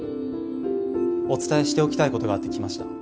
お伝えしておきたいことがあって来ました。